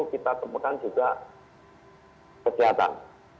kita temukan juga kejahatan